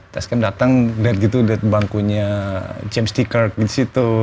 test cam datang lihat gitu lihat bangkunya james t kirk disitu